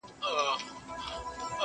له دربار له تخت و تاج څخه پردۍ سوه،